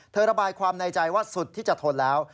ระบายความในใจว่าสุดที่จะทนแล้ว